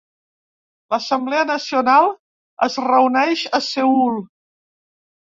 L'Assemblea Nacional es reuneix a Seül.